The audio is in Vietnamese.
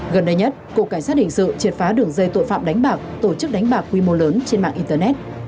gần đây nhất cục cảnh sát hình sự triệt phá đường dây tội phạm đánh bạc tổ chức đánh bạc quy mô lớn trên mạng internet